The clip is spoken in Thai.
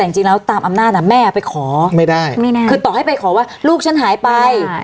แต่จริงแล้วตามอำนาจแม่ไปขอไม่ได้คือต่อให้ไปขอว่าลูกฉันหายไป